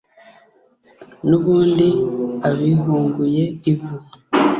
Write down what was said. N'ubundi abihunguye ivu